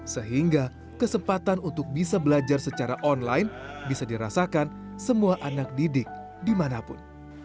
sehingga kesempatan untuk bisa belajar secara online bisa dirasakan semua anak didik dimanapun